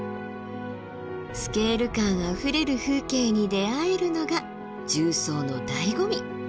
スケール感あふれる風景に出会えるのが縦走のだいご味。